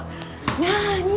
なあに？